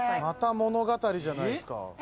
また物語じゃないですか。